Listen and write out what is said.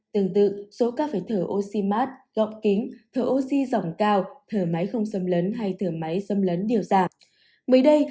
tương tự số ca phải thở oxy mát gọm kính thở oxy